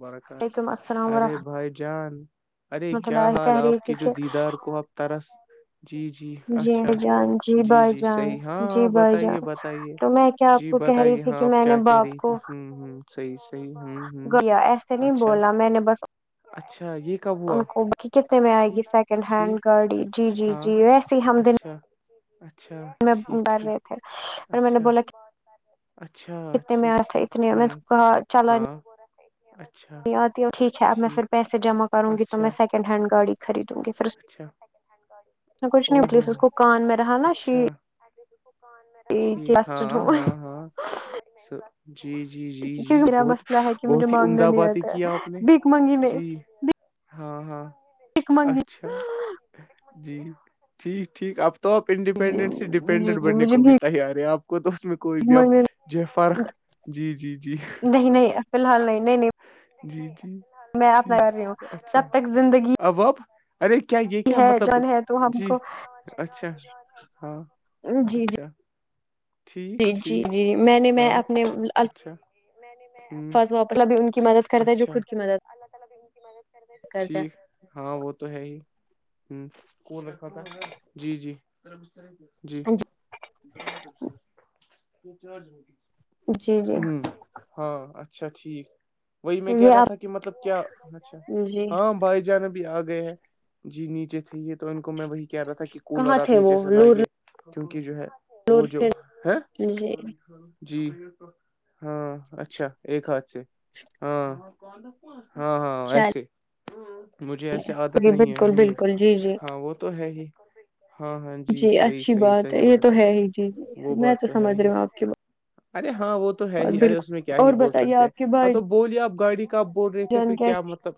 بڑا خش وعلیکم [unintelligible] السلام ارے ورحمۃ بھائی جان ارے کیا اللہ حال کہہ رہی آپ تھی کے جو کہ دیدار کو آپ طرس جی جی جی اچھا بھائی جان جی بھائی جان صحیح ہاں جی ہاں بھائی بتائیے جان بتائیے تو میں کیا آپ جی کو کہہ رہی بتائیے تھی ہاں کہ آپ میں نے کیا کہہ باپ رہی تھی کو ہ ہ صحیح صحیح ہ ہ ے نہیں اچھا بولا میں نے بس اچھا یہ کب ان ہوا کو کہ کتنے میں آئے گی ٹھیک سیکنڈ ہینڈ ٹھیک گاڑی جی جی جی ویسے ہی ہم دن اچھ اچھا [unintelligible] میں ٹھیک بر رہے تھے ٹھیک اور میں نے اچھا بولا کہ اچھا کتنے ٹھیک میںی ٹھیک اتنے ہ میں کو کہا چلا ہاں اچھا نہیں آتی ٹھیک ہے اب میں پھر پیسے جمع کروں گی تو اچھا میں سیکنڈ ہینڈ گاڑی خریدوں گی پھر اچھا میں کچھ نیپس اس کو کان میں رہا نا شییر اگ [inaudible] یہ کلسٹرڈ ہوا ہاں س جی جی جی جی میرا بہت مسئلہ ہے کہ مجھے بہت ہی مانگنا عمدہ نہیں باتیں آتا کیا ہے آپ نے بھیک مانگی میں جی ہاں ہاں بھیک مانگی اچھا جی ٹھیک ٹھیک آپ تو آپ جی انڈیپینڈنٹ سے جی ڈیپینڈنٹ جی بننے مجھے کو بھی بھیک تیار ہے آ کو تو اس میں کوئی بھی آپ مانگنے جی فرق جی جی جی نہی نہیں فیلحال نہیں نہیں نہیں جی جی میں اپنا کر رہی ہوں جب تک زندگی اباب ارے کیا یہ کیا ہے مطلب جان ہے تو ہم جی کو اچھا ہاں جی جی اچھا ٹھیک جی جی ٹھیک جی میں نے میں ہاں اپنے اچھا ہوں فضہ مطلب ان کی مدد کرتا ہے جو اچھا خود کی مدد کرتا ہے ٹھیک ہاں وہ تو ہے ہی ہ کون رکھا تھا جی جی جی ہے جی جی ہوں ہاں اچھا ٹھیک وہی میں کہہ یہ رہا آپ تھا کہ مطلب کیا اچھا جی ہاں بھائی جان بھی آ گئے ہے جی نیچے تھ یہ تو ان کو میں وہی کہہ رہا تھا کہ کولر کہاں آپ تھے وہ نیچے سے لور لائیے کیونکہ جو ہے لور وہ جو پھر ہے جی جی ہاں اچھا ایک ہاتھ سے ہاں ہاں ہاں ایسے چلیے مجھے ایسے عادت جی نہیں ہے بالکل ہوں بالکل جی جی ہاں وہ تو ہے ہی ہاں ہاں جی صحیح اچھی صحیح بات ہے صحیح یہ تو ہے ہی جی وہ جی میں بات تو ہے سمجھ ہی رہی ہوں آپ کی بات ارے ہاں وہ تو ہے ہی ارے اس میں کیا بالکل ہی اور بول بتائیے سکتے ہیں آپ کے ہاں بھائی تو بولیے آپ گاڑی کب بول رہے تھے جان پھر کیا کیسے مطلب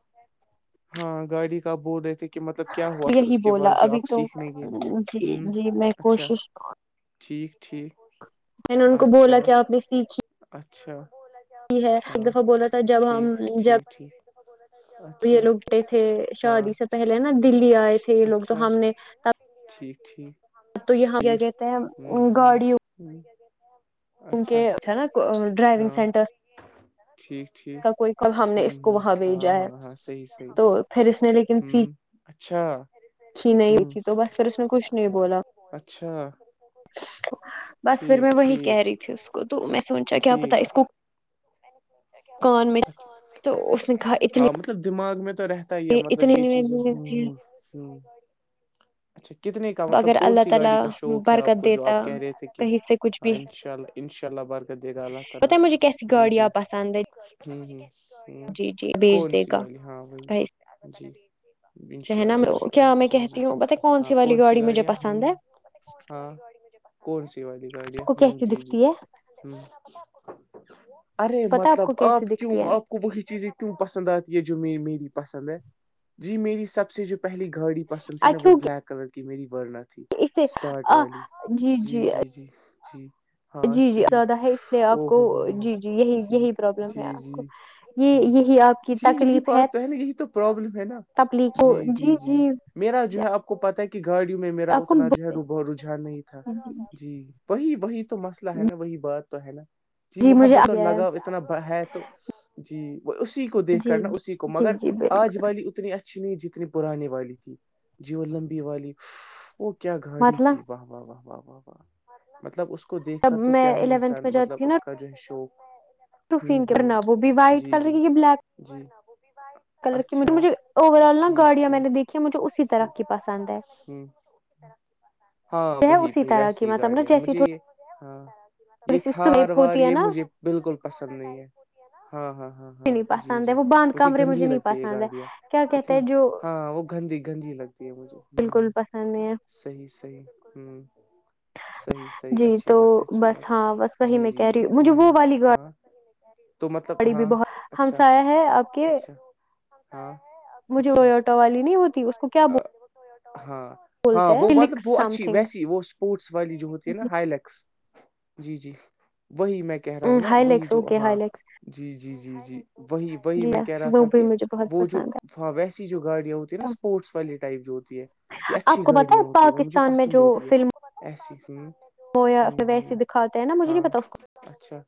ہاں گاڑی کب بول رہے تھے کہ مطلب کیا ہوا پھر یہی اس کے بولا بعد جو ابھی آپ تو سیکھ لیں گے جی ہ جی میں اچھا کوشش ٹھیک ٹھیک میں نے ان کو اچھا بولا کہ آپ نے سییک کی اچھا ہے ایک ہاں دفعہ بولا تھا جب ہم ٹھیک جب ٹھیک ٹھیک یہ اچھا لوگ گے تھے ہاں شادی سے پہلے نا دلی آئے تھے یہ لوگ تو اچھا ہم نے ت ٹھیک ٹھیک تو یہاں کیا ٹھیک کہتے ہیں گاڑی [inaudible] کیونکہ نا ڈرائیونگ ہاں سینٹرس ٹھیک ٹھیک کا کوئی ک ہم ہ نے اس کو ہ وہاں ہاں بھیجا ہے ہاں ہاں صحیح صحیح تو پھر اس نے لیکن ہ ف اچھا اچھی نہیں ہ تھی تو بس پھر اس نے کچھ نہیں بولا اچھا بس پھر ٹھیک میں وہی ٹھیک کہہ رہی تھی اس کو تو میں سوچا کیا ٹھیک پتا اس کو کان میں تو اس نے کہا ہاں اتنے مطلب دماغ میں تو رہ پت ہی ہے مطلب اتنے یہ میں چیزیں ہ ہ ہ اچھا کتنے کا مطلب اگر کون اللہ سی گاڑی کا تعالی شوق ہے آپ برکت کو جو دیتا آپ کہہ رہے تھے کہ کہیں سے کچھ بھی چل انشاءاللہ برکت دے گا اللہ تعالی پتا ہے مجھے کیسی جی جی گاڑیاں پسند ہے ہ ہ ہ جی جی بھیج کون دے سی گا والی ہاں وہی کہیں جی انشاء نا اللہ انشاء کیا اللہ میں جی جی کہتی ہوں بتائی کون ہاں سی والی گاڑی مجھے گاڑیاں ہ پسند ہے ہاں کون سی والی گاڑیاں کو ہ کیسی جی جی دکھتی ہے ہ ارے پتا مطلب کو آپ کیسی کیوں دکھتی ہے آپ کو وہی چیزیں پسند آتی ہے جو میری پسند ہے جی میری سب سے جو پہلی گاڑی پسند تھی نا اچھو وہ بلیک کلر کی میری ورنت اسے اسٹارٹ والی جی جی جی جی ہاں جی جی صحیح آرادہ ہے اس لیے آپ او کو ہو ہو ہو جی جی یہی یہی پرابلم ہے جی آپ کو جی جی یہ یہی آپ کی جی یہی تکلیف ہے بات پہلے یہی تو پرابلم ہے نا جی جی جی میرا جو ہے آپ کو پتاہ ہے کہ گاڑیوں میں میرا آپ کو اتنا جو ہے ر رجھان نہیں تھا جی وہی وہی تو مسئلہ ہے نا وہی بات تو ہے نا جی مجھے آ محبت اور گیا ہے لگاؤ اتنا ہے تو جی وہ اسی کو دیکھ جی کر نا اسی کو جی مگر جی بالکل آج والی اتنی اچ اچنی جتنی پرانی والی تھی جی وہ لمبی والی وہ کیا گاڑی مطلب تھی واہ واہ واہ واہ واہ واہ مطلب اس کو دیکھ کر جب تو میں کیا ہی الیونتھ انسان مطلب اس کا جو ہے شوق ہوں سوفین کے ہوں بنا وہ بھی وائٹ جی کلر جی کے بلیک ورنہ وہ بھی وائٹ کلر کی بلا کلر کی مجھے سب سے زیادہ لیکن مجھے اوور آل نا گاڑیاں میں نے دیکھی مجھے اسی طرح کی پسند ہے کلر کی مجھے مجھے اوور آل نا گاڑیاں میں نے دیکھی مجھے اس ہمم ہاں ہے بی اسی بی طرح ویسی کی ہی مطلب نا گاڑیا ہے جیسی مجھے یہ ہاں تھوڑی یہ سی تھار سلیپ وار ہوتی ہے یہ نا مجھے بالکل پسند نہیں ہے ہاں ہاں ہاں مجھے ہاں نہیں جی پسند ہے جی وہ باند مجھے کمرے گندی نہیں لگتی ہے یہ پسند گاڈیا کیا کہتے اتنی ہیں جو ہاں وہ گندی گندی لگتی ہے مجھے ہ بالکل ہ پسند نہیں ہے صحیح صحیح ہوں صحیح صحیح جی اچھی تو بات ہے اچھی بس بات ہاں ہے بس وہی جی میں جی کہہ رہی جی ہوں مجھے وہ والی گاڑی [inaudible] بڑی بھی ہاں بہت اچھا ہمسایا ہے آپ کے اچھا ہاں مجھے وہ اچھا آٹو والی نہیں ہوتی اس کو کیا بول ہاں ہاں وہ مطلب ہلکس وہ سم اچھی تھنگ ویسی وہ اسپورٹس والی جو ہوتی ہے نا ہلیکس جی جی وہی میں ہ نا ہائی وہی لیکس جو اوکے ہائی ہاں لیکس جی جی جی جی وہی وہی جی میں ہاں کہہ رہا وہ تھا بھی کہ مجھے بہت وہ جو پسند ویسی جو گاڑیاں ہوتی نا ہے پورٹس والی ٹائپ جو ہوتی ہے یہ آپ اچھی کو پتا گاڑیاں ہوتی ہے وہ مجھے پاکستان پسند ہوتی ہے ایسی وہ یا ہوں پھر ہوں ویسے دکھاتے ہیں نا مجھے نہیں ہاں پتا اس کو اچھا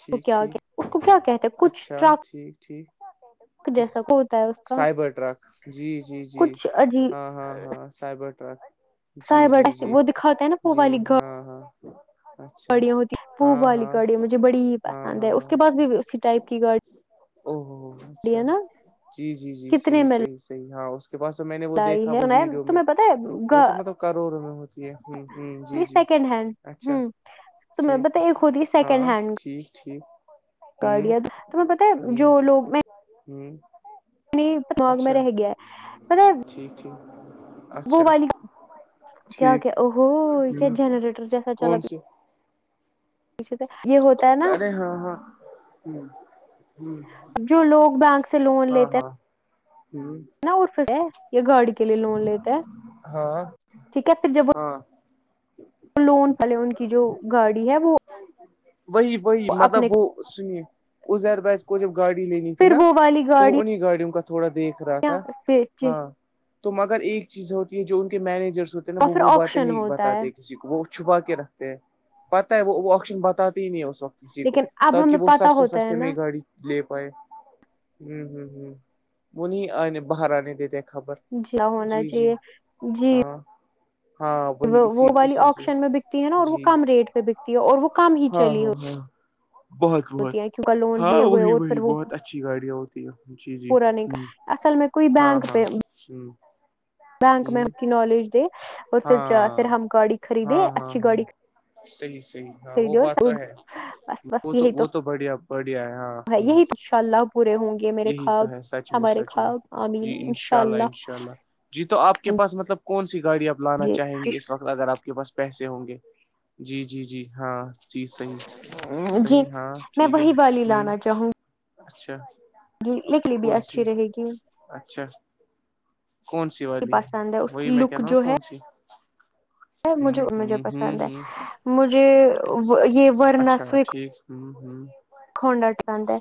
ٹھیک کیا کہتے ہیں، ٹھیک اس کو کیا کہتے ہیں کچھ اچھا ٹرک ٹھیک ٹھیک س جیسا ہوتا ہے اس کا سائبر ٹرک جی جی جی کچھ عجی ہاں ہاں ہاں سائبر ٹرک جی جی جی وہ دکھاتا ہے نا وہ جی والی ہاں ہاں [inaudible] اچھا گاڑیاں ہوتی ہیں پوب ہاں والی ہاں گاڑیاں مجھے بڑی ہاں پسند ہے ہاں اس ہاں کے پاس بھی اسی ٹائپ کی گاڑی او اچھا ہے نا جی جی جی کتنے جی میں صحیح صحیح ہاں پاس سے میں نے وہ ہے تمہیں پتا ہے گا کروڑ میں ہوتی ہے جی سیکنڈ ہینڈ اچھا تمہیں پتا ہے ایک ہوتی ہے سیکنڈ ہینڈ جی ٹھیک ہ گاڈیا تمہیں پتاہ ہے جو لوگ میں ہمم اپنی دماغ میں رہ گیا ہے مطلب ٹھیک ٹھیک وہ اچھا والی کیا ٹھیک کیا اوہو ہ کیا جنریٹر جیسا چلا کون س پیچھے سے یہ ہوتا ہے نا ارے ہاں ہاں ہ جو لوگ بینک سے لون لیتے ہیں ہوں ن ارف یہ گاڑی کے لیے لوون لیتے ہے ہاں ٹھیک پھر جب ہاں لون پلون کی جو گاڑی ہے وہ وہی وہی اپنے مطلب وہ سنیے عزیر بھائی کو جب گاڑی لینی تھی پھر نا وہ والی تو وہ گاڑیاں انہیں گاڑیوں کا تھوڑا دیکھ رہا تھا ہاں اور تو مگر ایک چیز ہوتی ہے جو ان کے مینیجرس ہوتے ہیں نا وہ پھر وہ باتیں آکشن نہیں ہوتا ہے بتاتے کسی کو وہ چھپا کے رکھتے ہیں پت ہے وہ وہ آپشن بتاتے ہی نہیں ہے اس وقت کسی کو لیکن اب تاکہ ہمیں وہ پتا سب سے ہوتا ہے سستے میں نا گاڑی لے پائے ہ ہ ہ وہ نہیں آنے باہر آنے دیتے ہیں خبر جی ہونا جی جی چاہیے جی ہاں ہاں وہی وہ اسی والی اسی سے آکشن میں بکتی ہے نا اور وہ جی کم ریٹ پہ بکتی ہے اور وہ کم ہی ہاں چلی ہو ہاں ہاں بہت بہت ہوتی کیہ لون ہاں لیے ہوئے وہی اور وہی پھر وہ بہت اچھی گاڑیاں ہوتی ہیں جی جی پورا نہیں کر اصل میں کوئی بینک پہ ہی بینک میں اپکی نالج دے اور پھر پھر ہاں ہم گاڑی خریدے اچھی گاڑی صحی صحیح ہاں وہ خریدے بات تو اور ہے بس وہ بس تو یہی وہ تو بڑھیا بڑھیا ہے ہاں ہ یہی تو انشاء اللہ پورے ہوں گے میرے یہی خواب تو ہے سچ میں ہمارے خواب آمین انشاء اللہ ان شاء اللہ جی تو آپ کے پاس مطلب کون سی گاڑی اپ لانا جی چاہیں گے اس وقت اگر آپ کے پاس پیسے ہوں گے جی جی جی ہاں جی صحیح جی صحیح ہاں میں ٹھیک ہے وہی والی ہ اچھا جی ل کون سی اچھا کون سی والی پسند ہے اس وہی کی میں کہ رہا ہوں کون سی ہوں مجے مجھے ہوں ہوں پسند ہے ہوں مجھے یہ اچھا ٹھیک ہوں ہوں کھنا چٹاہا ہے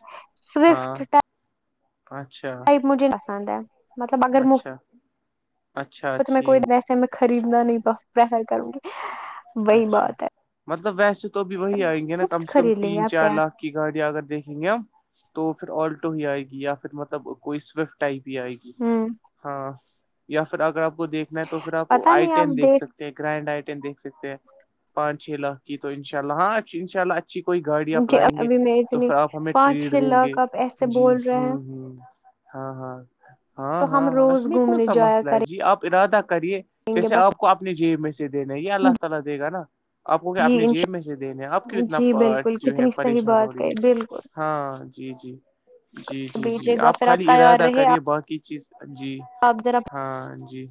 سوفٹ ہاں اچھا مجھے پسند ہے مطلب اگر مف اچھا اچھا تو میں کوئی ٹھیک ویسے میں خریدنا نہیں بس پرفر کروں گی وہی اچھا بات ہے مطلب ویسے تو بھی وہی آئیں گے نا کم پھر سے کم خرید لیں گے تین آپ چار کیا لاکھ کی گاڑیاں اگر دیکھیں گے اپ تو پھر آلٹو ہی آئے گی یا پھر مطلب کوئی سوئفٹ ٹپ آئے گی ہ ہاں یا پھر اگر آپ کو دیکھنا ہے تو پھر آپ پتا آئی نہیں آپ ین دیکھ سکتی گرنڈ آئٹن دیک سکتے پانچ چھ لاک کی تو ان شاء اللہ ہاں ا انشاالی اچھی اچھی کوئی گاڑی آپ دیکھ لائیں گے ابھی میں تو اتنی پھر آپ ہمیں پانچ ٹریڈ چھ دیں گے لاکھ آپ ایسے جی بول ہ رہے ہیں ہ ہاں ہاں ہاں تو ہم ہاں ہاں اس روز میں کون گھومنے سا جایا مسئلہ ہے کریں جی آپ ارادہ کریے گے جیسے آپ آپ کو اپنی جیب میں سے دینا ہے یہ بس اللہ تعالی دے گا نا آپ کو کیا جی اپنی جیب میں سے دینے آپ کی انشاء اتنا جی بالکل جو ہے کتنی صحیح پریشان ہو بات رہی ہے بالکل ہاں جی جی جی جی بیجیے جی گا آپ پھر خالی تیار ارادہ رہے کریے باقی چیز جی آپ ذرا ہاں جی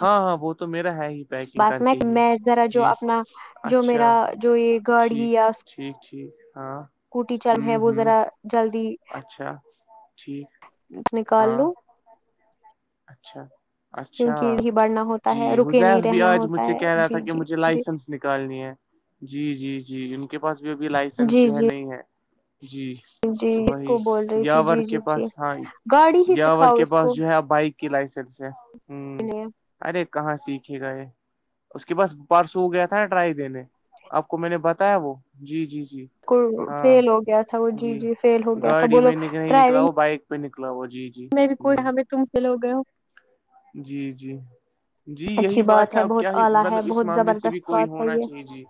ہاں ہاں وہ تو میرا ہے ہی پیکنگ بس کر میں کے ہی میں ذرا جو جی اپنا جو میرا اچھا جو یہ گاڑی ٹھیک یا ٹھیک ٹھیک ہاں کوٹی چرم ہوں ہے وہ ہوں ذرا جلدی اچھا ٹھیک ہاں نکالو اچھا اچھا کیونکہ ہی بڑھنا ہوتا ہے جی رکے نہیں حزیف بھی رہنا آج ہوتا مجھ سے ہے کہہ رہا تھا جی کہ جی مجھے جی لائسنس نکالنی ہے جی جی جی ان کے پاس بھی ابھی لائسنس جی جو ہے جی نہیں ہے جی جی اس وہی کو بول رہی تھی یاور جی کے جی جی پاس ہاں گاڑی ہی یاور سکھاؤ کے اس پاس کو جو ہے بائک کی لائسن سے ہ ارے کہاں سیکھے گا یہ اس کے پاس پرسو ہو گیا تھا نا ٹرائی دینے آپ کو میں نے بتایا وہ جی جی جی کو ہاں فیل ہو گیا تھا وہ جی فیل ہو گیا تھا گاڑی بولو میں نہیں نکلا وہ بائک پہ نکلا ہو جی جی میری کوئی ہ ہم [unintelligible] جی جی جی اچھی یہی بات ہے اب بہت کیا ہی اعلی ہے مطلب اس بہت معاملے سے بھی زبردست کوئی بات ہے ہونا یہ چاہیے جی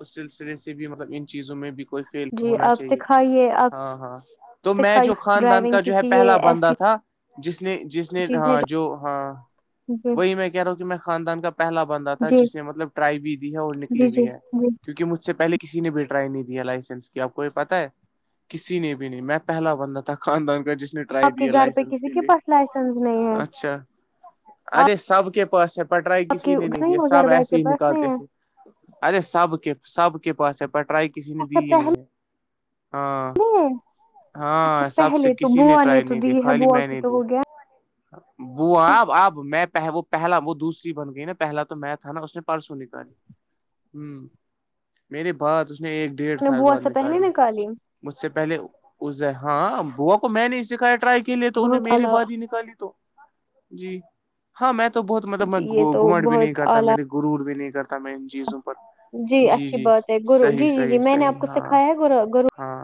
اس سلسلے سے بھی مطلب ان چیزوں میں بھی کوئی فیل جی ہونا آپ چاہیے سکھائیے آپ ہاں ہاں تو میں سکھائیے جو خاندان ڈرائیونگ کا جو ہے کیونکہ پہلا یہ بندہ ایسی تھا جس نے جس نے چیز ہے ہاں جو ہاں جی وہی میں کہہ رہا ہوں کہ میں خاندان کا پہلا بندہ تھا جی جس نے مطلب ٹرائی بھی دی ہے اور جی نکلی جی بھی ہے جی کیونکہ مجھ سے پہلے کسی نے بھی ٹرائی نہیں دیا لائسنس کی آپ کو یہ پتا ہے کسی نے بھی نہیں میں پہلا بندہ تھا خاندان کا جس نے آپ کے گھر پہ لسنس کسی کے لیے پاس لائسنس نہیں ہے اچھا ارے آپ سب کے پاس پٹرائی آپ کسی کے نے نہیں دیا سب ازر بھائی ایسے کے ہی پاس نہیں نکالتے ہے تھے ارے سب کے سب کے پاس ہے پٹرائی کسی نے اچھا دی ہی پہلے نہیں ہے ہاں نہیں ہے ہاں اچھا سب سے پہلے تو کسی نے بوا ٹرائی تو نہیں دی دیا ہے خالی بوا میں کی نے تو دی ہو گیا آپ وہ آپ آب میں وہ پہلا وہ دوسری بن گئی نا پہلا تو میں تھا نا اس نے پرسوں نکل [unintelligible] ہ میری بات اس نے ایک ڈیڑھ اپ نے سال بوا بعد سے پہلے نکالی مجھ سے پہلے اس ہاں بووا کو میں نے سکھایا ٹائی کے لیے تو انہیں بہت میرے اعلی بعادی نکالی تو جی ہاں میں تو بہت مطلب میں جی یہ تو گھمٹ بھی نہیں بہت کرتا اعلی میرے ضرور بھی نہیں کرتا میں ان چیزوں پر جی اچھی بات ہے گرو صحیح جی جی جی صحیح میں نے آپ صحیح کو ہاں سکھایا ہے گ گو ہاں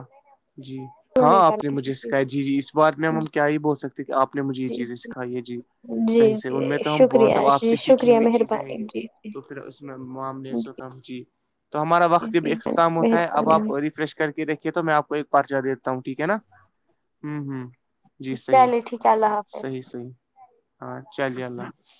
جی ہاں آپ نے کسی مجھے چیز سکھایا جی جی اس بار میں ہم کیا یہ بول سکتے ہیں کہ آپ مجے یہ جی چیزیں سکھائی ہے جی صحیح سےح جی ان میں تو ہم شکریہ بہب آپ جی سے سیکھی شکریہ ہوئی چیزیں ہیں مہربانی یہ جی تو پھر اس میں معام نے جی سو جی تو ہمارا وقت بھی جی جی اختام ہوتا ہے ا مہربانی آپ ریفریش کر کے دیکھیے تو میں آپ کو کو ایک پرچہ دیتا ہوں ٹھیک ہے نا ہ ہ چلیے ٹھیک ہے اللہ حافظ صحیح صحیح ہاں چلیے اللہ